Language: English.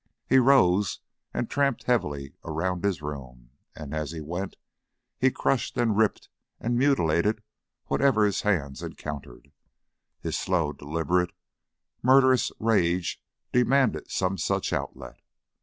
He rose and tramped heavily around his room, and, as he went, he crushed and ripped and mutilated whatever his hands encountered. His slow, deliberate, murderous rage demanded some such outlet.